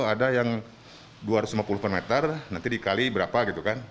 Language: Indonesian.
ada yang dua ratus lima puluh per meter nanti dikali berapa gitu kan